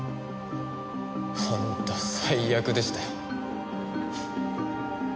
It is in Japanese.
本当最悪でしたよ。